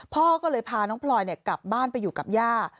พ่อก็เลยพาน้องพลอยกลับบ้านไปอยู่กับย่า